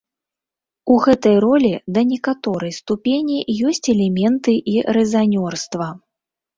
У гэтай ролі, да некаторай ступені, ёсць элементы і рэзанёрства.